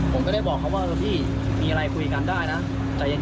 ผมก็ได้บอกเขาว่าพี่มีอะไรคุยกันได้นะใจเย็น